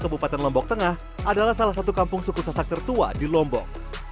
kabupaten lombok tengah adalah salah satu kampung suku sasak tertua di lombok